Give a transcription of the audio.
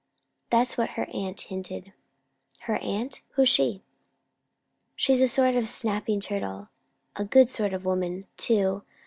That's what her aunt hinted." "Her aunt! Who's she?" "She's a sort of a snapping turtle. A good sort of woman, too.